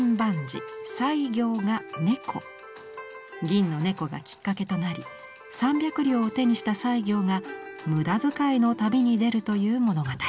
銀の猫がきっかけとなり３百両を手にした西行が無駄遣いの旅に出るという物語。